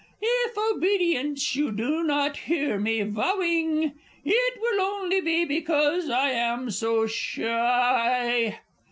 If obedience you do not hear me vowing, It will only be because I am so shy.